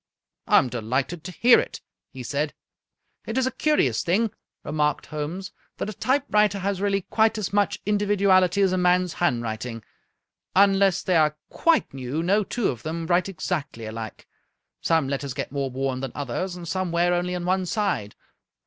" I am delighted to hear it," he said. " It is a curious thing," remarked Holmes, " that a type writer has really quite as much individuality as a man's handwriting. Unless they are quite new no two of them write exactly alike. Some letters get more worn than others, and some wear only on one side.